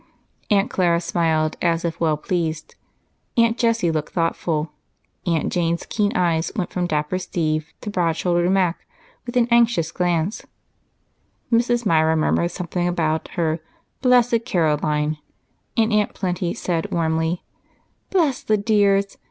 Aunt Clara smiled as if well pleased; Aunt Jessie looked thoughtful; Aunt Jane's keen eyes went from dapper Steve to broad shouldered Mac with an anxious glance; Mrs. Myra murmured something about her "blessed Caroline"; and Aunt Plenty said warmly, "Bless the dears!